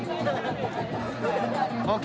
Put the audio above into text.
ＯＫ